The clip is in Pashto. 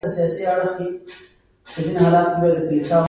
باران له اسمانه رحمت دی.